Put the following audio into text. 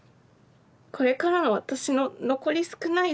これからの私の残り少い